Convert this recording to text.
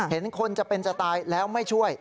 เห็นคนจะเป็นจะตายแล้วไม่ช่วย